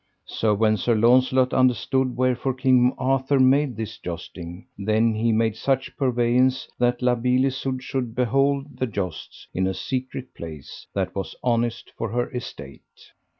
So when Sir Launcelot understood wherefore King Arthur made this jousting, then he made such purveyance that La Beale Isoud should behold the jousts in a secret place that was honest for her estate.